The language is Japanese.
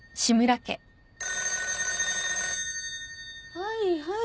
☎☎はいはい。